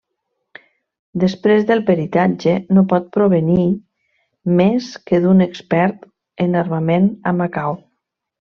Després del peritatge, no pot provenir més que d'un expert en armament a Macau.